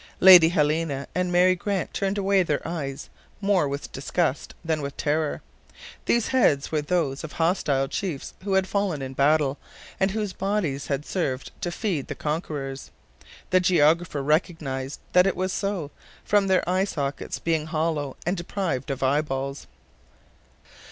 Lady Helena and Mary Grant turned away their eyes more with disgust than with terror. These heads were those of hostile chiefs who had fallen in battle, and whose bodies had served to feed the conquerors. The geographer recognized that it was so, from their eye sockets being hollow and deprived of eye balls.